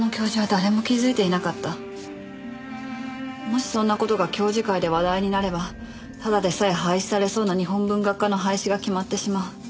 もしそんな事が教授会で話題になればただでさえ廃止されそうな日本文学科の廃止が決まってしまう。